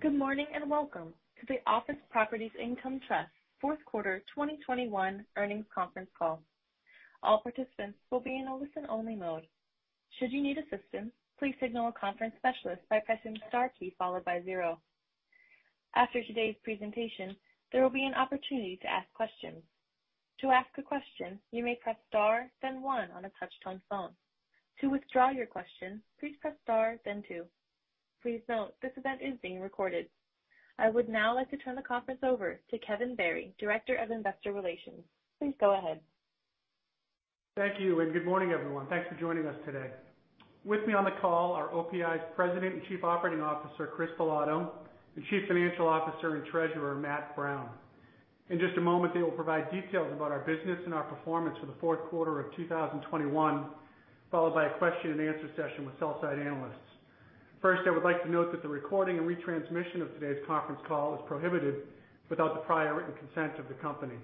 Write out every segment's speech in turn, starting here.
Good morning, and welcome to the Office Properties Income Trust Q4 2021 Earnings Conference Call. All participants will be in a listen-only mode. Should you need assistance, please signal a conference specialist by pressing star key followed by zero. After today's presentation, there will be an opportunity to ask questions. To ask a question, you may press star then one on a touchtone phone. To withdraw your question, please press star then two. Please note this event is being recorded. I would now like to turn the conference over to Kevin Barry, Director of Investor Relations. Please go ahead. Thank you, and good morning, everyone. Thanks for joining us today. With me on the call are OPI's President and Chief Operating Officer, Chris Bilotto, and Chief Financial Officer and Treasurer, Matt Brown. In just a moment, they will provide details about our business and our performance for the Q4 of 2021, followed by a question-and-answer session with sell-side analysts. First, I would like to note that the recording and retransmission of today's conference call is prohibited without the prior written consent of the company.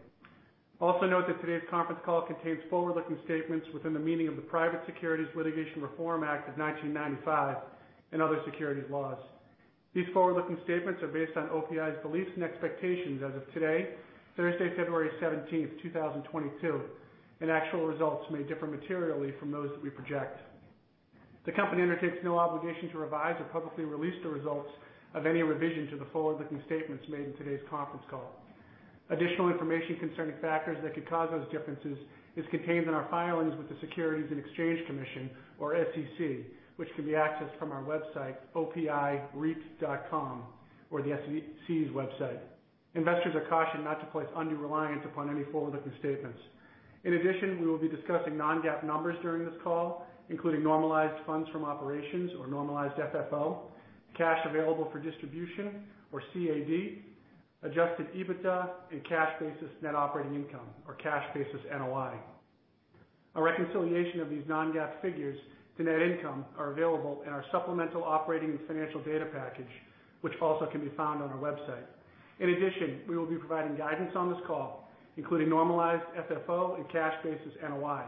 Also note that today's conference call contains forward-looking statements within the meaning of the Private Securities Litigation Reform Act of 1995 and other securities laws. These forward-looking statements are based on OPI's beliefs and expectations as of today, Thursday, 17 February 2022, and actual results may differ materially from those that we project. The company undertakes no obligation to revise or publicly release the results of any revision to the forward-looking statements made in today's conference call. Additional information concerning factors that could cause those differences is contained in our filings with the Securities and Exchange Commission or SEC, which can be accessed from our website, opireit.com or the SEC's website. Investors are cautioned not to place undue reliance upon any forward-looking statements. In addition, we will be discussing non-GAAP numbers during this call, including normalized funds from operations or normalized FFO, cash available for distribution or CAD, adjusted EBITDA and cash basis net operating income or cash basis NOI. A reconciliation of these non-GAAP figures to net income are available in our supplemental operating and financial data package, which also can be found on our website. In addition, we will be providing guidance on this call, including normalized FFO and cash basis NOI.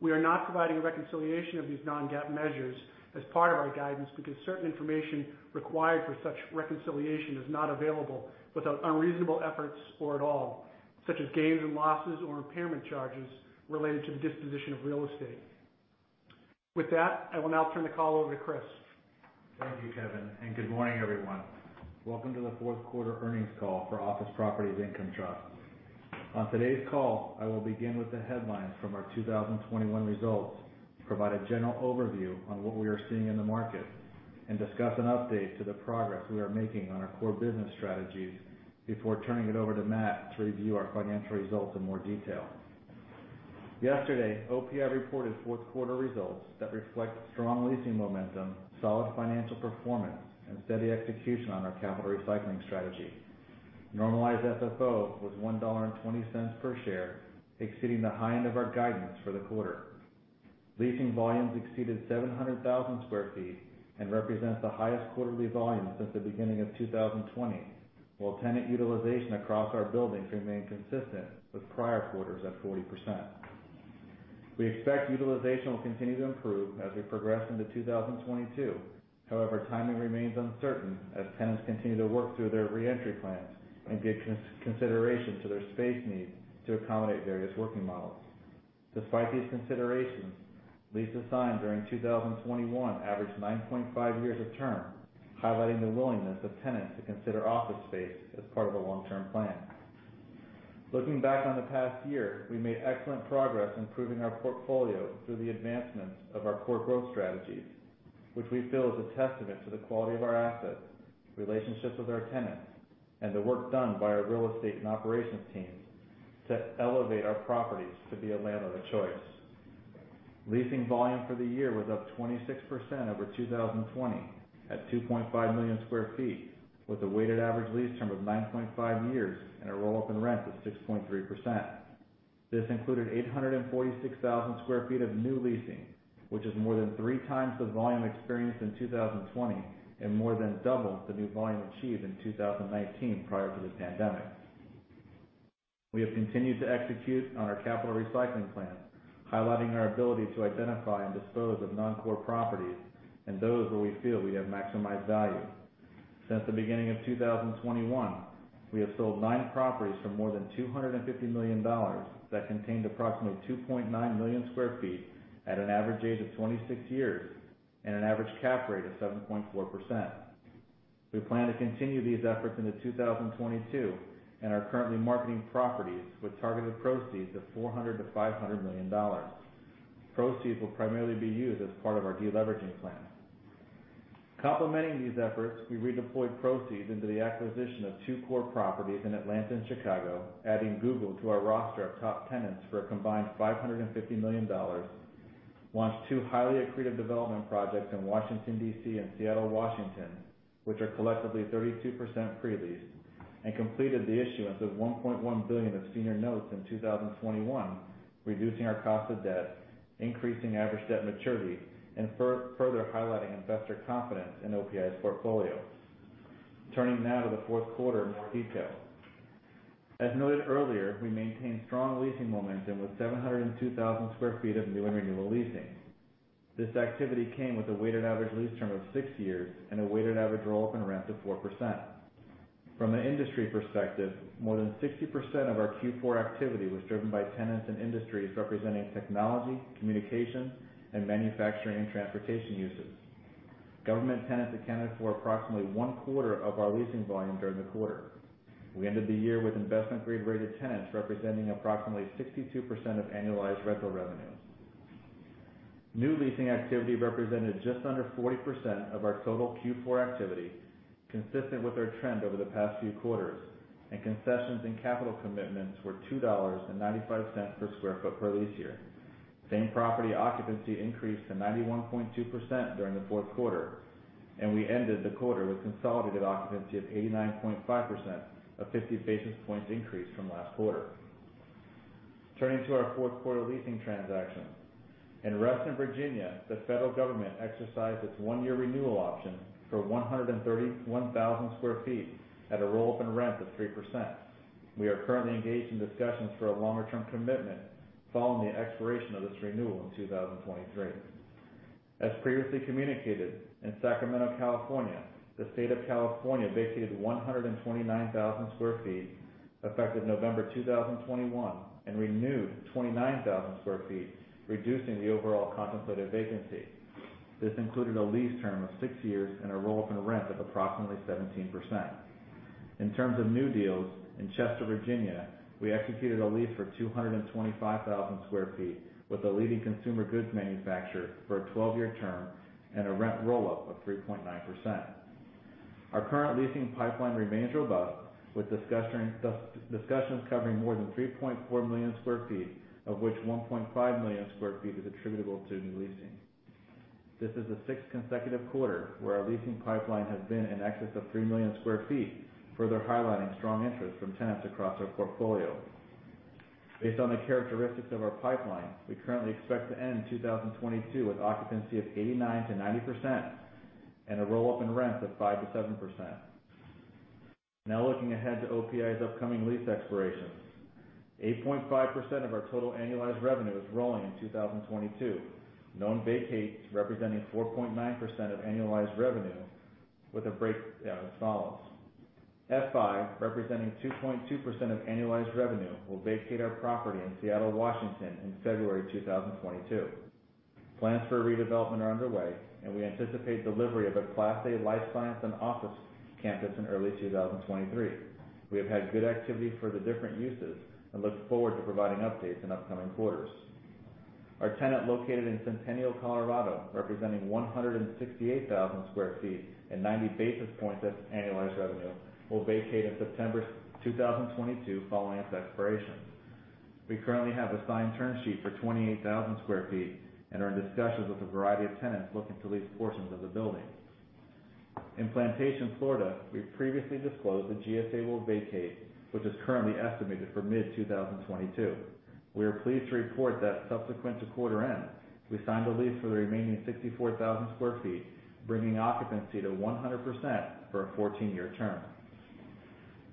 We are not providing a reconciliation of these non-GAAP measures as part of our guidance because certain information required for such reconciliation is not available without unreasonable efforts or at all, such as gains and losses or impairment charges related to the disposition of real estate. With that, I will now turn the call over to Chris. Thank you, Kevin, and good morning, everyone. Welcome to the Q4 Earnings Call for Office Properties Income Trust. On today's call, I will begin with the headlines from our 2021 results, provide a general overview on what we are seeing in the market, and discuss an update to the progress we are making on our core business strategies before turning it over to Matt to review our financial results in more detail. Yesterday, OPI reported Q4 results that reflect strong leasing momentum, solid financial performance, and steady execution on our capital recycling strategy. Normalized FFO was $1.20 per share, exceeding the high end of our guidance for the quarter. Leasing volumes exceeded 700,000 sq ft and represents the highest quarterly volume since the beginning of 2020, while tenant utilization across our buildings remained consistent with prior quarters at 40%. We expect utilization will continue to improve as we progress into 2022. However, timing remains uncertain as tenants continue to work through their re-entry plans and give consideration to their space needs to accommodate various working models. Despite these considerations, leases signed during 2021 averaged 9.5 years of term, highlighting the willingness of tenants to consider office space as part of a long-term plan. Looking back on the past year, we made excellent progress improving our portfolio through the advancements of our core growth strategies, which we feel is a testament to the quality of our assets, relationships with our tenants, and the work done by our real estate and operations teams to elevate our properties to be a landlord of choice. Leasing volume for the year was up 26% over 2020 at 2.5 million sq ft with a weighted average lease term of 9.5 years and a roll-up in rent of 6.3%. This included 846,000 sq ft of new leasing, which is more than three times the volume experienced in 2020 and more than double the new volume achieved in 2019 prior to the pandemic. We have continued to execute on our capital recycling plans, highlighting our ability to identify and dispose of non-core properties and those where we feel we have maximized value. Since the beginning of 2021, we have sold nine properties for more than $250 million that contained approximately 2.9 million sq ft at an average age of 26 years and an average cap rate of 7.4%. We plan to continue these efforts into 2022 and are currently marketing properties with targeted proceeds of $400 million-$500 million. Proceeds will primarily be used as part of our deleveraging plan. Complementing these efforts, we redeployed proceeds into the acquisition of two core properties in Atlanta and Chicago, adding Google to our roster of top tenants for a combined $550 million. Launched two highly accretive development projects in Washington, D.C. and Seattle, Washington, which are collectively 32% pre-leased and completed the issuance of $1.1 billion of senior notes in 2021, reducing our cost of debt, increasing average debt maturity, and further highlighting investor confidence in OPI's portfolio. Turning now to the Q4 in more detail. As noted earlier, we maintained strong leasing momentum with 702,000 sq ft of new and renewal leasing. This activity came with a weighted average lease term of six years and a weighted average roll-up in rent of 4%. From an industry perspective, more than 60% of our Q4 activity was driven by tenants and industries representing technology, communications, and manufacturing and transportation uses. Government tenants accounted for approximately one-quarter of our leasing volume during the quarter. We ended the year with investment-grade rated tenants representing approximately 62% of annualized rental revenue. New leasing activity represented just under 40% of our total Q4 activity, consistent with our trend over the past few quarters, and concessions and capital commitments were $2.95 per sq ft per lease year. Same-property occupancy increased to 91.2% during the Q4, and we ended the quarter with consolidated occupancy of 89.5%, a 50 basis points increase from last quarter. Turning to our Q4 leasing transactions. In Reston, Virginia, the federal government exercised its one-year renewal option for 131,000 sq ft at a roll-up in rent of 3%. We are currently engaged in discussions for a longer-term commitment following the expiration of this renewal in 2023. As previously communicated, in Sacramento, California, the State of California vacated 129,000 sq ft, effective November 2021, and renewed 29,000 sq ft, reducing the overall contemplated vacancy. This included a lease term of six years and a roll-up in rent of approximately 17%. In terms of new deals, in Chester, Virginia, we executed a lease for 225,000 sq ft with a leading consumer goods manufacturer for a 12-year term and a rent roll-up of 3.9%. Our current leasing pipeline remains robust, with discussions covering more than 3.4 million sq ft, of which 1.5 million sq ft is attributable to new leasing. This is the sixth consecutive quarter where our leasing pipeline has been in excess of three million sq ft, further highlighting strong interest from tenants across our portfolio. Based on the characteristics of our pipeline, we currently expect to end 2022 with occupancy of 89%-90% and a roll-up in rent of 5%-7%. Now looking ahead to OPI's upcoming lease expirations. 8.5% of our total annualized revenue is rolling in 2022, known vacates representing 4.9% of annualized revenue with a breakdown as follows. F5, representing 2.2% of annualized revenue, will vacate our property in Seattle, Washington in February 2022. Plans for a redevelopment are underway, and we anticipate delivery of a Class A life science and office campus in early 2023. We have had good activity for the different uses and look forward to providing updates in upcoming quarters. Our tenant located in Centennial, Colorado, representing 168,000 sq ft and 90 basis points as annualized revenue, will vacate in September 2022 following its expiration. We currently have a signed term sheet for 28,000 sq ft and are in discussions with a variety of tenants looking to lease portions of the building. In Plantation, Florida, we previously disclosed that GSA will vacate, which is currently estimated for mid-2022. We are pleased to report that subsequent to quarter end, we signed a lease for the remaining 64,000 sq ft, bringing occupancy to 100% for a 14-year term.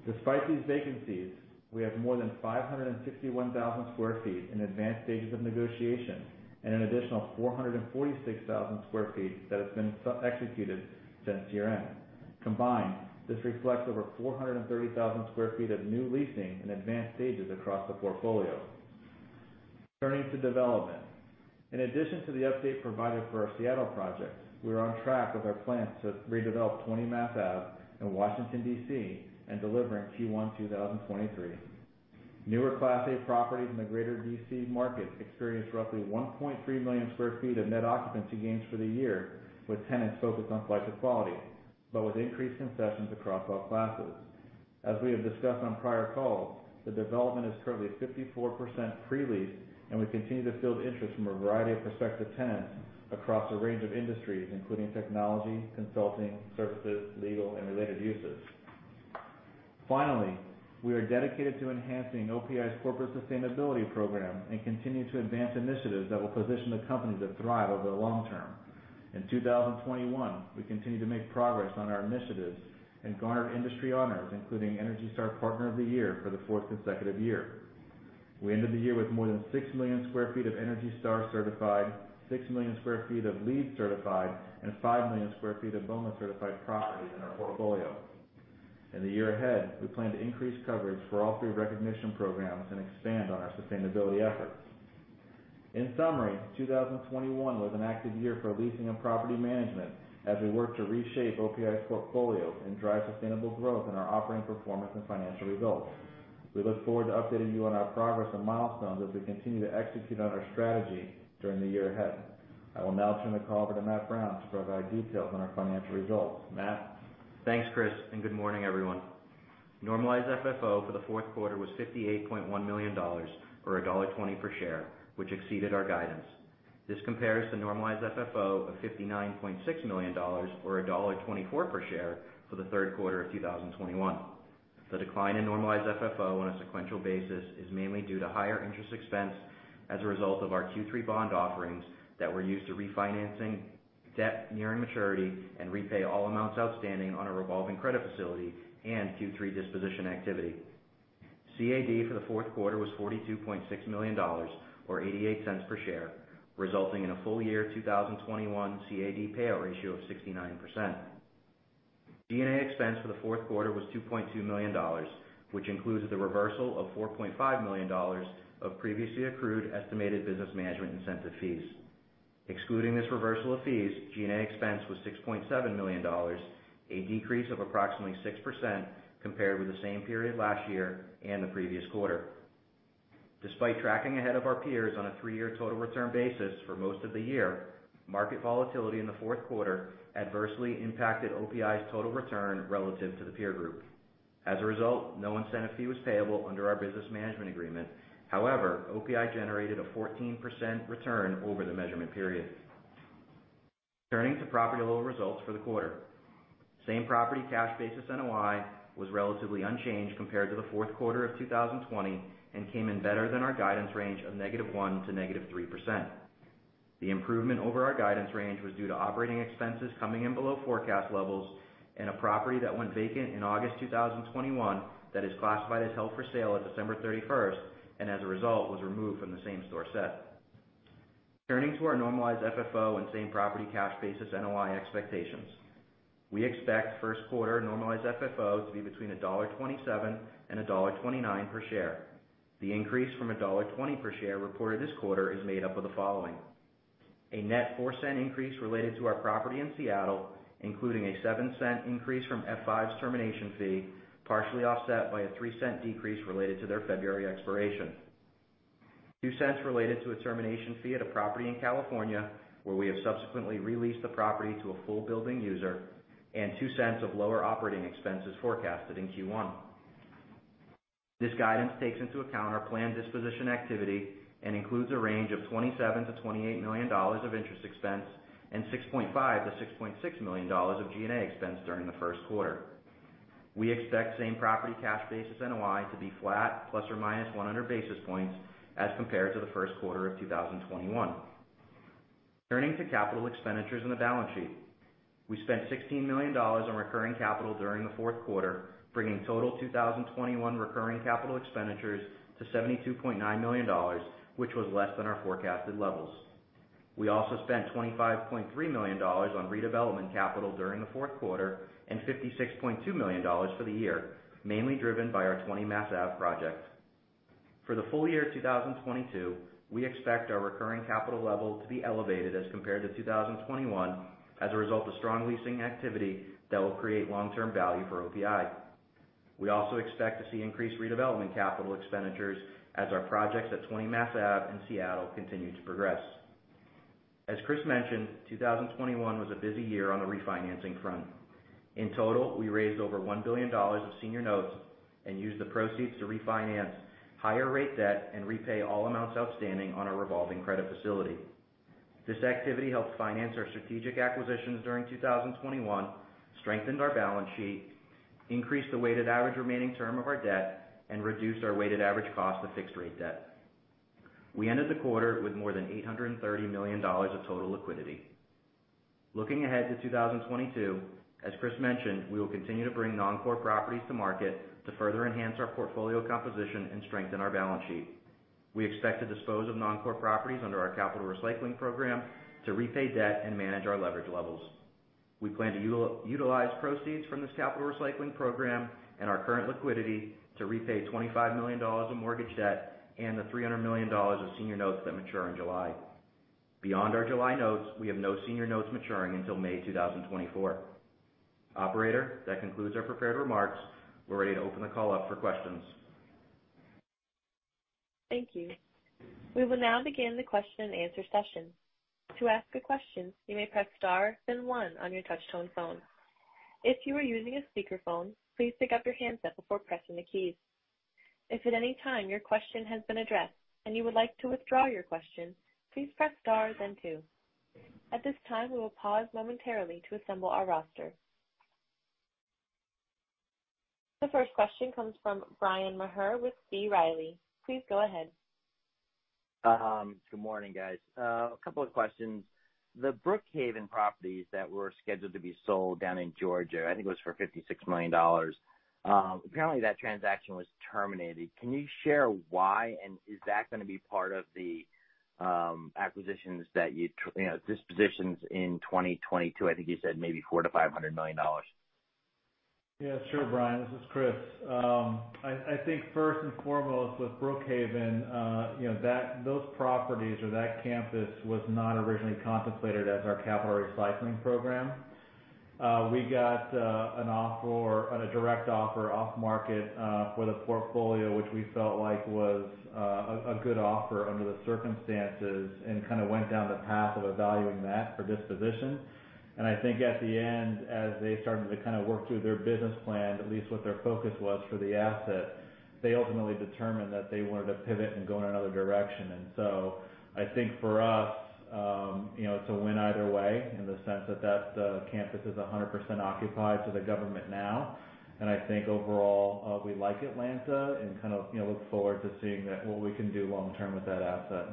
Despite these vacancies, we have more than 561,000 sq ft in advanced stages of negotiation and an additional 446,000 sq ft that has been executed since year-end. Combined, this reflects over 430,000 sq ft of new leasing in advanced stages across the portfolio. Turning to development. In addition to the update provided for our Seattle project, we are on track with our plans to redevelop 20 Mass Ave in Washington, D.C., and deliver in Q1 2023. Newer Class A properties in the greater D.C. market experienced roughly 1.3 million sq ft of net occupancy gains for the year, with tenants focused on flight to quality, but with increased concessions across all classes. As we have discussed on prior calls, the development is currently 54% pre-leased, and we continue to build interest from a variety of prospective tenants across a range of industries, including technology, consulting, services, legal, and related uses. Finally, we are dedicated to enhancing OPI's corporate sustainability program and continue to advance initiatives that will position the company to thrive over the long term. In 2021, we continued to make progress on our initiatives and garnered industry honors, including ENERGY STAR Partner of the Year for the fourth consecutive year. We ended the year with more than six million sq ft of ENERGY STAR certified, six million sq ft of LEED certified, and five million sq ft of BOMA certified properties in our portfolio. In the year ahead, we plan to increase coverage for all three recognition programs and expand on our sustainability efforts. In summary, 2021 was an active year for leasing and property management as we work to reshape OPI's portfolio and drive sustainable growth in our operating performance and financial results. We look forward to updating you on our progress and milestones as we continue to execute on our strategy during the year ahead. I will now turn the call over to Matt Brown to provide details on our financial results. Matt? Thanks, Chris, and good morning, everyone. Normalized FFO for the Q4 was $58.1 million or $1.20 per share, which exceeded our guidance. This compares to normalized FFO of $59.6 million or $1.24 per share for the Q3 of 2021. The decline in normalized FFO on a sequential basis is mainly due to higher interest expense as a result of our Q3 bond offerings that were used to refinance debt nearing maturity and repay all amounts outstanding on our revolving credit facility and Q3 disposition activity. CAD for the Q4 was $42.6 million, or 88 cents per share, resulting in a full year 2021 CAD payout ratio of 69%. G&A expense for the Q4 was $2.2 million, which includes the reversal of $4.5 million of previously accrued estimated business management incentive fees. Excluding this reversal of fees, G&A expense was $6.7 million, a decrease of approximately 6% compared with the same period last year and the previous quarter. Despite tracking ahead of our peers on a three-year total return basis for most of the year, market volatility in the Q4 adversely impacted OPI's total return relative to the peer group. As a result, no incentive fee was payable under our business management agreement. However, OPI generated a 14% return over the measurement period. Turning to property level results for the quarter. Same-property cash basis NOI was relatively unchanged compared to the Q4 of 2020 and came in better than our guidance range of -1% to -3%. The improvement over our guidance range was due to operating expenses coming in below forecast levels and a property that went vacant in August 2021 that is classified as held for sale at 31 December and as a result, was removed from the same property set. Turning to our normalized FFO and same-property cash basis NOI expectations. We expect Q1 normalized FFO to be between $1.27 and $1.29 per share. The increase from $1.20 per share reported this quarter is made up of the following. A net $0.04 increase related to our property in Seattle, including a $0.07 increase from F5's termination fee, partially offset by a $0.03 decrease related to their February expiration. $0.02 related to a termination fee at a property in California, where we have subsequently re-leased the property to a full building user and $0.02 of lower operating expenses forecasted in Q1. This guidance takes into account our planned disposition activity and includes a range of $27 million-$28 million of interest expense and $6.5 million-$6.6 million of G&A expense during the Q1. We expect same property cash basis NOI to be flat ±100 basis points as compared to the Q1 of 2021. Turning to capital expenditures in the balance sheet. We spent $16 million on recurring capital during the Q4, bringing total 2021 recurring capital expenditures to $72.9 million, which was less than our forecasted levels. We also spent $25.3 million on redevelopment capital during the Q4 and $56.2 million for the year, mainly driven by our 20 Mass Ave project. For the full year 2022, we expect our recurring capital level to be elevated as compared to 2021 as a result of strong leasing activity that will create long-term value for OPI. We also expect to see increased redevelopment capital expenditures as our projects at 20 Mass Ave in Seattle continue to progress. As Chris mentioned, 2021 was a busy year on the refinancing front. In total, we raised over $1 billion of senior notes and used the proceeds to refinance higher rate debt and repay all amounts outstanding on our revolving credit facility. This activity helped finance our strategic acquisitions during 2021, strengthened our balance sheet, increased the weighted average remaining term of our debt, and reduced our weighted average cost of fixed-rate debt. We ended the quarter with more than $830 million of total liquidity. Looking ahead to 2022, as Chris mentioned, we will continue to bring non-core properties to market to further enhance our portfolio composition and strengthen our balance sheet. We expect to dispose of non-core properties under our capital recycling program to repay debt and manage our leverage levels. We plan to utilize proceeds from this capital recycling program and our current liquidity to repay $25 million of mortgage debt and the $300 million of senior notes that mature in July. Beyond our July notes, we have no senior notes maturing until May 2024. Operator, that concludes our prepared remarks. We're ready to open the call up for questions. Thank you. We will now begin the question and answer session. To ask a question, you may press star then one on your touchtone phone. If you are using a speakerphone, please pick up your handset before pressing the keys. If at any time your question has been addressed and you would like to withdraw your question, please press star then two. At this time, we will pause momentarily to assemble our roster. The first question comes from Bryan Maher with B. Riley. Please go ahead. Good morning, guys. A couple of questions. The Brookhaven properties that were scheduled to be sold down in Georgia, I think it was for $56 million. Apparently that transaction was terminated. Can you share why, and is that gonna be part of the dispositions in 2022? I think you said maybe $400 million-$500 million. Yeah, sure, Bryan, this is Chris. I think first and foremost with Brookhaven, you know, those properties or that campus was not originally contemplated as our capital recycling program. We got an offer or a direct offer off market for the portfolio, which we felt like was a good offer under the circumstances and kind of went down the path of evaluating that for disposition. I think at the end, as they started to kind of work through their business plan, at least what their focus was for the asset. They ultimately determined that they wanted to pivot and go in another direction. I think for us, you know, it's a win either way in the sense that that campus is 100% occupied to the government now. I think overall, we like Atlanta and kind of, you know, look forward to seeing that what we can do long term with that asset.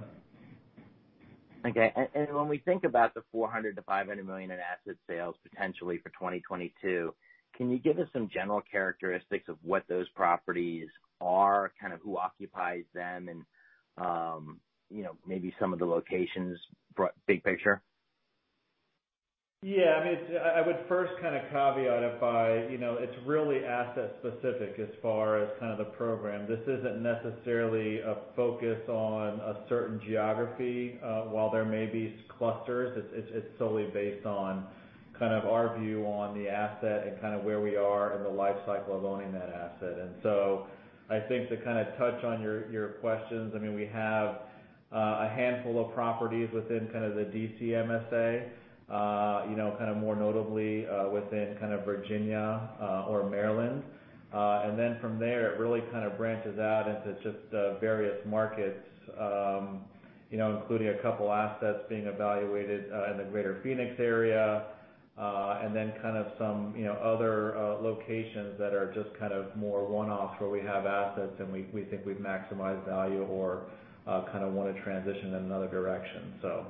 Okay. When we think about the $400 million-$500 million in asset sales potentially for 2022, can you give us some general characteristics of what those properties are? Kind of who occupies them and, you know, maybe some of the locations big picture. Yeah, I mean, I would first kind of caveat it by, you know, it's really asset specific as far as kind of the program. This isn't necessarily a focus on a certain geography. While there may be clusters, it's solely based on kind of our view on the asset and kind of where we are in the life cycle of owning that asset. I think to kind of touch on your questions, I mean, we have a handful of properties within kind of the D.C. MSA, you know, kind of more notably, within kind of Virginia or Maryland. And then from there, it really kind of branches out into just various markets, you know, including a couple assets being evaluated in the greater Phoenix area. kind of some, you know, other locations that are just kind of more one-offs where we have assets and we think we've maximized value or kind of want to transition in another direction, so.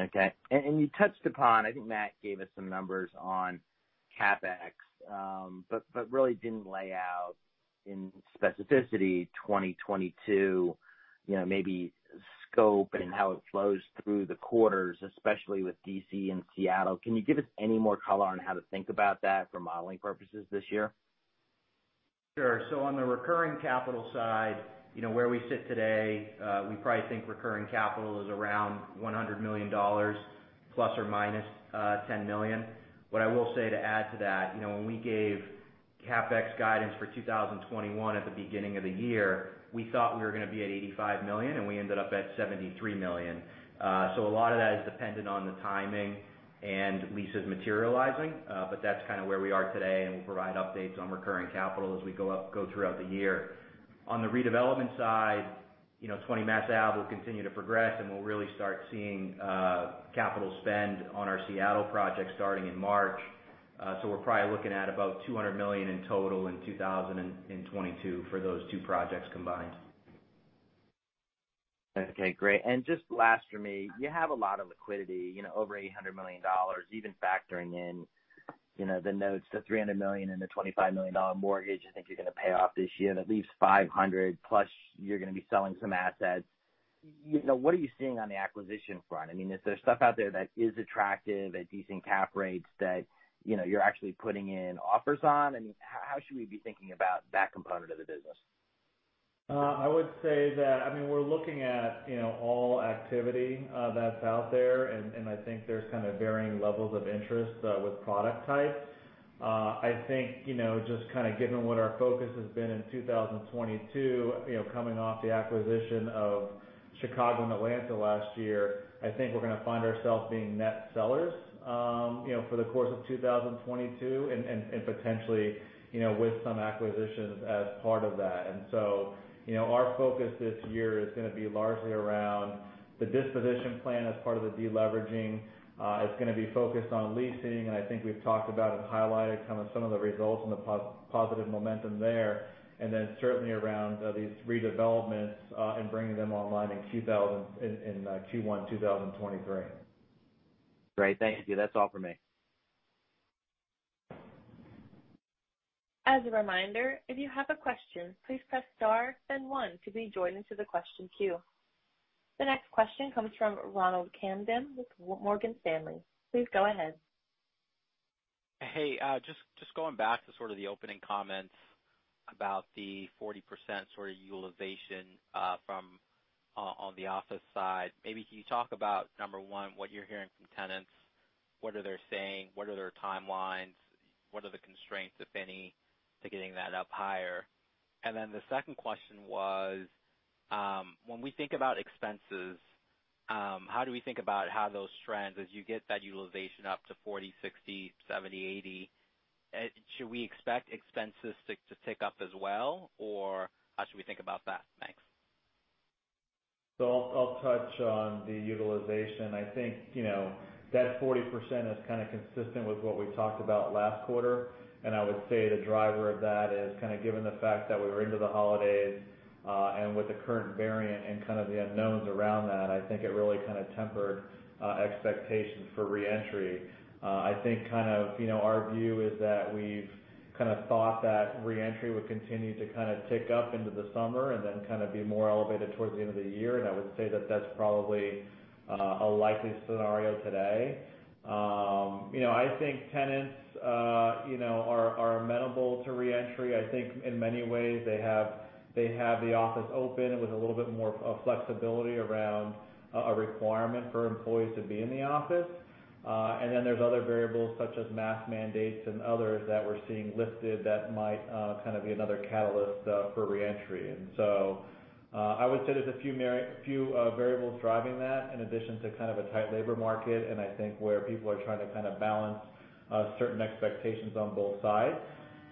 Okay. You touched upon, I think Matt gave us some numbers on CapEx, but really didn't lay out in specificity 2022, you know, maybe scope and how it flows through the quarters, especially with D.C. and Seattle. Can you give us any more color on how to think about that for modeling purposes this year? Sure. On the recurring capital side, you know, where we sit today, we probably think recurring capital is around $100 million ± $10 million. What I will say to add to that, you know, when we gave CapEx guidance for 2021 at the beginning of the year, we thought we were gonna be at $85 million, and we ended up at $73 million. So a lot of that is dependent on the timing and leases materializing. But that's kind of where we are today, and we'll provide updates on recurring capital as we go throughout the year. On the redevelopment side, you know, 20 Mass Ave will continue to progress, and we'll really start seeing capital spend on our Seattle project starting in March. We're probably looking at about $200 million in total in 2022 for those two projects combined. Okay, great. Just last for me, you have a lot of liquidity, you know, over $800 million, even factoring in, you know, the notes, the $300 million and the $25 million mortgage I think you're gonna pay off this year. That leaves $500 plus you're gonna be selling some assets. You know, what are you seeing on the acquisition front? I mean, is there stuff out there that is attractive at decent cap rates that, you know, you're actually putting in offers on? I mean, how should we be thinking about that component of the business? I would say that, I mean, we're looking at, you know, all activity that's out there. I think there's kind of varying levels of interest with product types. I think, you know, just kind of given what our focus has been in 2022, you know, coming off the acquisition of Chicago and Atlanta last year, I think we're gonna find ourselves being net sellers, you know, for the course of 2022 and potentially, you know, with some acquisitions as part of that. Our focus this year is gonna be largely around the disposition plan as part of the deleveraging. It's gonna be focused on leasing, and I think we've talked about and highlighted kind of some of the results and the positive momentum there. Certainly around these re-developments and bringing them online in Q1 2023. Great. Thank you. That's all for me. As a reminder, if you have a question, please press star then one to be joined into the question queue. The next question comes from Ronald Kamdem with Morgan Stanley. Please go ahead. Hey, just going back to sort of the opening comments about the 40% sort of utilization from on the office side. Maybe can you talk about number one, what you're hearing from tenants? What are they saying? What are their timelines? What are the constraints, if any, to getting that up higher? Then the second question was, when we think about expenses, how do we think about those trends as you get that utilization up to 40, 60, 70, 80, should we expect expenses to tick up as well, or how should we think about that? Thanks. I'll touch on the utilization. I think, you know, that 40% is kind of consistent with what we talked about last quarter. I would say the driver of that is kind of given the fact that we were into the holidays, and with the current variant and kind of the unknowns around that, I think it really kind of tempered expectations for re-entry. I think kind of, you know, our view is that we've kind of thought that re-entry would continue to kind of tick up into the summer and then kind of be more elevated towards the end of the year. I would say that that's probably a likely scenario today. You know, I think tenants, you know, are amenable to re-entry. I think in many ways they have the office open with a little bit more flexibility around a requirement for employees to be in the office. Then there's other variables such as mask mandates and others that we're seeing lifted that might kind of be another catalyst for re-entry. I would say there's a few variables driving that in addition to kind of a tight labor market and I think where people are trying to kind of balance certain expectations on both sides.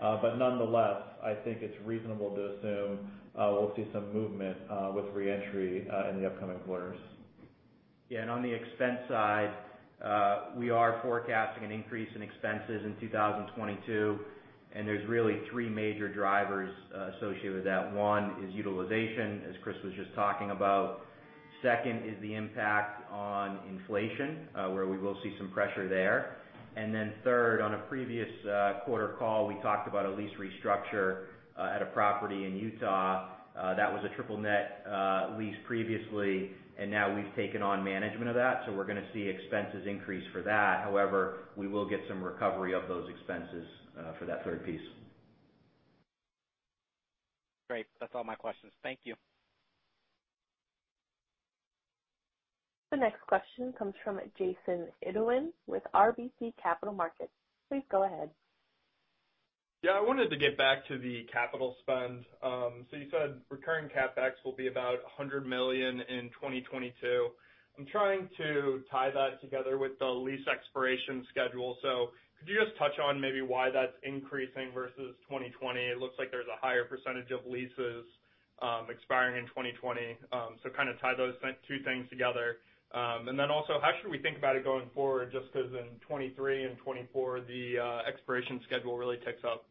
Nonetheless, I think it's reasonable to assume we'll see some movement with re-entry in the upcoming quarters. Yeah, on the expense side, we are forecasting an increase in expenses in 2022, and there's really three major drivers associated with that. One is utilization, as Chris was just talking about. Second is the impact on inflation, where we will see some pressure there. Then third, on a previous quarter call, we talked about a lease restructure at a property in Utah that was a triple net lease previously, and now we've taken on management of that, so we're gonna see expenses increase for that. However, we will get some recovery of those expenses for that third piece. Great. That's all my questions. Thank you. The next question comes from Jason P. Idoine with RBC Capital Markets. Please go ahead. Yeah, I wanted to get back to the capital spend. You said recurring CapEx will be about $100 million in 2022. I'm trying to tie that together with the lease expiration schedule. Could you just touch on maybe why that's increasing versus 2020? It looks like there's a higher percentage of leases expiring in 2020. Kind of tie those two things together. Then also, how should we think about it going forward just 'cause in 2023 and 2024, the expiration schedule really ticks up?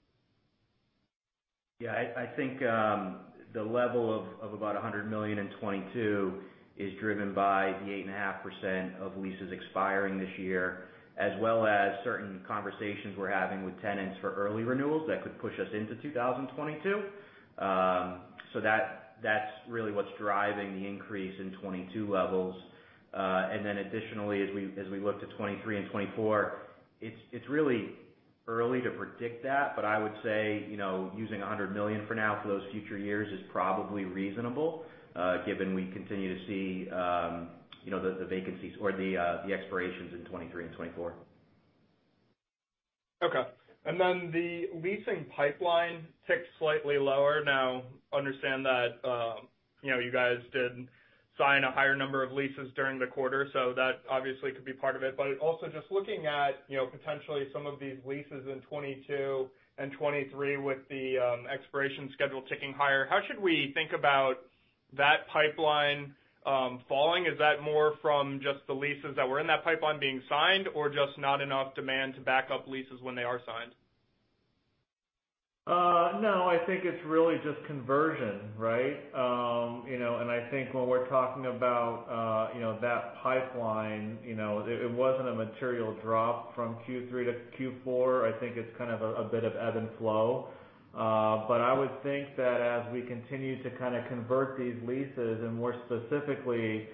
Yeah, I think the level of about $100 million in 2022 is driven by the 8.5% of leases expiring this year, as well as certain conversations we're having with tenants for early renewals that could push us into 2022. So that's really what's driving the increase in 2022 levels. And then additionally, as we look to 2023 and 2024, it's really early to predict that, but I would say, you know, using $100 million for now for those future years is probably reasonable, given we continue to see, you know, the vacancies or the expirations in 2023 and 2024. Okay. Then the leasing pipeline ticked slightly lower. Now, understand that, you know, you guys didn't sign a higher number of leases during the quarter, so that obviously could be part of it. Also just looking at, you know, potentially some of these leases in 2022 and 2023 with the expiration schedule ticking higher, how should we think about that pipeline falling? Is that more from just the leases that were in that pipeline being signed or just not enough demand to back up leases when they are signed? No, I think it's really just conversion, right? You know, I think when we're talking about, you know, that pipeline, you know, it wasn't a material drop from Q3 to Q4. I think it's kind of a bit of ebb and flow. I would think that as we continue to kind of convert these leases and more specifically,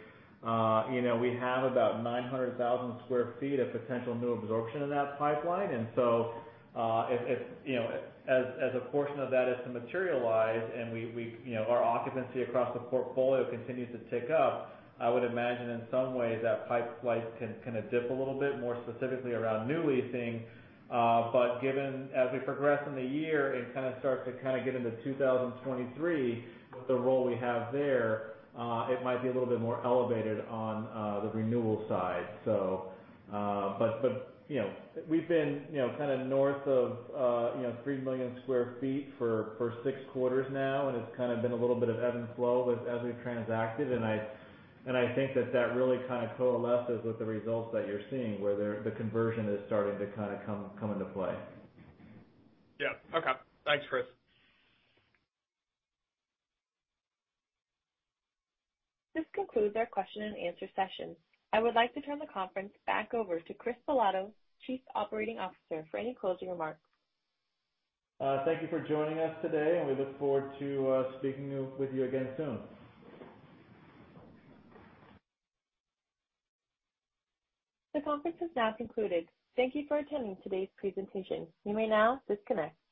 you know, we have about 900,000 sq ft of potential new absorption in that pipeline. If you know, as a portion of that is to materialize and we you know, our occupancy across the portfolio continues to tick up, I would imagine in some way that pipeline can kind of dip a little bit more specifically around new leasing. Given as we progress in the year and kind of start to get into 2023 with the role we have there, it might be a little bit more elevated on the renewal side. You know, we've been, you know, kind of north of, you know, three million sq ft for six quarters now, and it's kind of been a little bit of ebb and flow as we've transacted. I think that that really kind of coalesces with the results that you're seeing, where the conversion is starting to kind of come into play. Yeah. Okay. Thanks, Chris. This concludes our question and answer session. I would like to turn the conference back over to Chris Bilotto, Chief Operating Officer, for any closing remarks. Thank you for joining us today, and we look forward to speaking with you again soon. The conference has now concluded. Thank you for attending today's presentation. You may now disconnect.